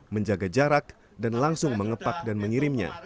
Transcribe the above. menjaga jarak dan langsung mengepak dan mengirimnya